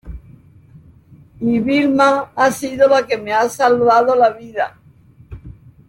y Vilma ha sido la que me ha salvado la vida.